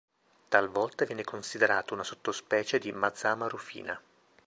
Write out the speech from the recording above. Talvolta viene considerato una sottospecie di "Mazama rufina".